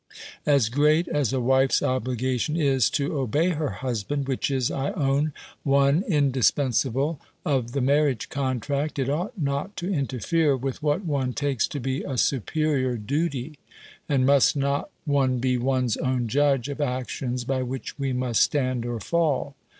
As great as a wife's obligation is to obey her husband, which is, I own, one indispensable of the marriage contract, it ought not to interfere with what one takes to be a superior duty; and must not one be one's own judge of actions, by which we must stand or fall?